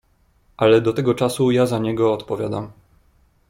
"Ale do tego czasu ja za niego odpowiadam."